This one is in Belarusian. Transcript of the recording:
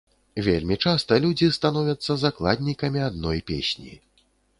Вельмі часта людзі становяцца закладнікамі адной песні.